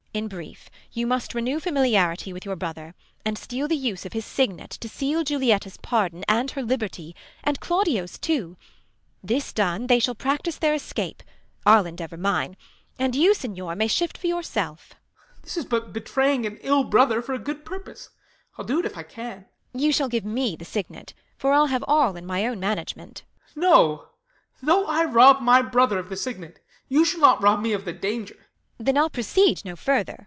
Beat. In brief you must Renew familiarity with your brother ; And steal the use of his signet to seal Julietta's pardon and her liberty, And Claudio's too : this done, they shall practise Their escape, I'll endeavour mine ; and you Signior may shift for yourself. Ben. This is but betraying an ill brother For a good purpose ; I'll do't if I can. Beat. You shall give me the signet, for I'll have All in my own management. 152 THE LAW AGAINST LOVERS. Ben. No, though I rob my brother of the signet, You shall not rol> me of the danger. Beat. Then I'll proceed no further.